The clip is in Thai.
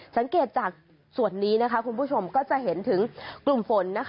สังเกตจากส่วนนี้คุณผู้ชมก็จะเห็นถึงกลุ่มฝน